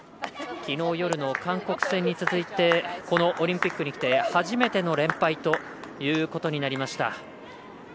きのう夜の韓国戦に続いてこのオリンピックにきて初めての連敗ということになりました。